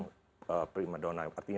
tetap network merupakan sesuatu yang primadonna